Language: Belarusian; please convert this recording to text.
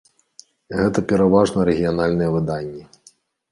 Гэта пераважна рэгіянальныя выданні.